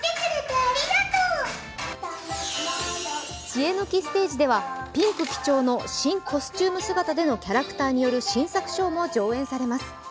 知恵の木ステージではピンク基調の新コスチューム姿でのキャラクターによる新作ショーも上演されます。